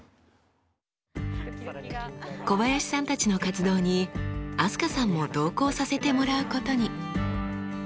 小林さんたちの活動に飛鳥さんも同行させてもらうことに。